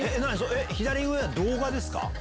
左上は動画ですか？